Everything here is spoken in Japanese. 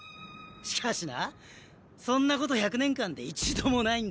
しかしなそんなこと１００年間で一度もないんだぜ。